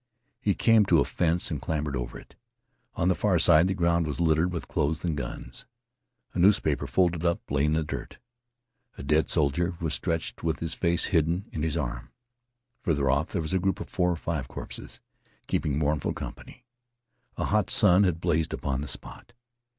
He came to a fence and clambered over it. On the far side, the ground was littered with clothes and guns. A newspaper, folded up, lay in the dirt. A dead soldier was stretched with his face hidden in his arm. Farther off there was a group of four or five corpses keeping mournful company. A hot sun had blazed upon the spot.